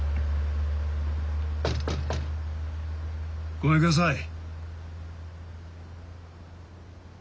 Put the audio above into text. ごめんください。